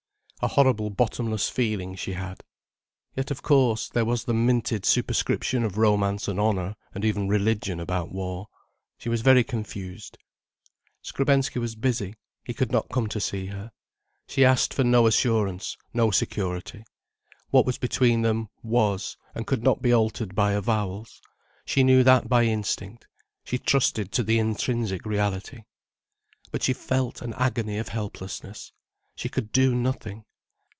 A horrible bottomless feeling she had. Yet of course there was the minted superscription of romance and honour and even religion about war. She was very confused. Skrebensky was busy, he could not come to see her. She asked for no assurance, no security. What was between them, was, and could not be altered by avowals. She knew that by instinct, she trusted to the intrinsic reality. But she felt an agony of helplessness. She could do nothing.